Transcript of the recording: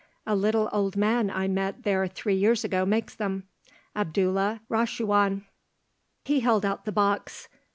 A little, old man I met there three years ago makes them, Abdullah Rachouan." He held out the box.